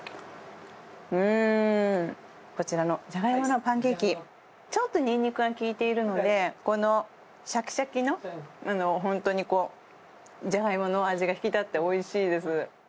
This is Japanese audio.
こちらのジャガイモのパンケーキちょっとニンニクが効いているのでシャキシャキの本当にジャガイモの味が引き立っておいしいです。